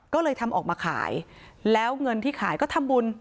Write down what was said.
ก็เลยทำออกมาขายแล้วเงินที่ขายก็ทำบุญ